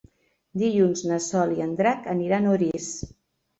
Dilluns na Sol i en Drac aniran a Orís.